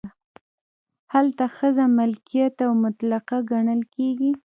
هلته ښځه ملکیت او متعلقه ګڼل کیږي.